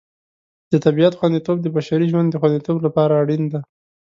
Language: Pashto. د طبیعت خوندیتوب د بشري ژوند د خوندیتوب لپاره اړین دی.